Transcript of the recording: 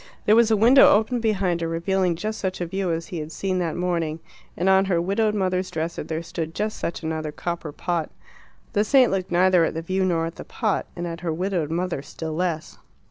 There was a window open behind her, revealing just such a view as he had seen that morning, and on her widowed mother's dresser there stood just such another copper pot. The saint looked neither at the view nor at the pot, and at her widowed mother still less.